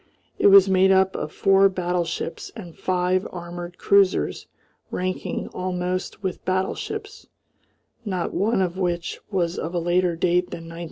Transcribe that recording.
It was made up of four battleships and five armoured cruisers ranking almost with battleships, not one of which was of a later date than 1913.